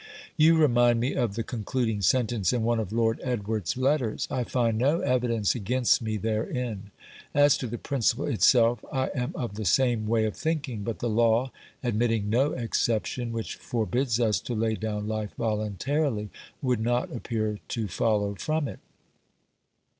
You remind me of the concluding sentence in one of Lord Edward's letters. I find no evidence against me therein. As to the principle itself, I am of the same way of thinking, but the law admitting no exception which forbids us to lay down life voluntarily would not appear to follow from it.